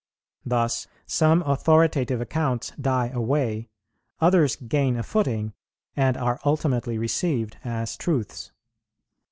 Thus some authoritative accounts die away; others gain a footing, and are ultimately received as truths.